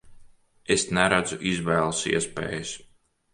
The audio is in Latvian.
Es neredzu izvēles iespējas.